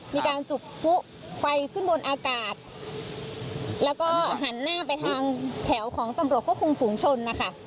มีการจุดพลุไฟขึ้นบนอากาศแล้วก็หันหน้าไปทางแถวของตำรวจควบคุมฝูงชนนะคะ